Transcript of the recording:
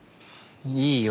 いいよ。